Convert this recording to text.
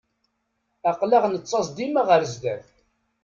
Aql-aɣ nettaẓ dima ɣer zdat.